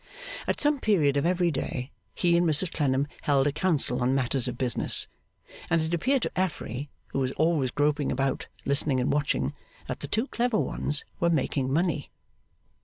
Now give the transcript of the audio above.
At some period of every day, he and Mrs Clennam held a council on matters of business; and it appeared to Affery, who was always groping about, listening and watching, that the two clever ones were making money.